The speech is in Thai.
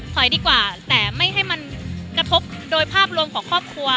ดีกว่าแต่ไม่ให้มันกระทบโดยภาพรวมของครอบครัว